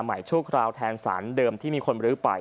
ใหม่ช่วงคราวแทนสารเดิมที่มีคนลื้อไป